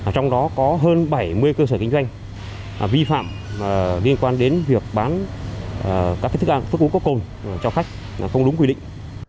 trong đó có hơn bảy mươi cơ sở kinh doanh vi phạm liên quan đến việc bán các thức ăn thức uống có cồn cho khách không đúng quy định